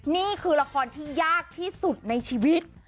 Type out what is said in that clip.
นี่คือละครที่ยากที่สุดในชีวิต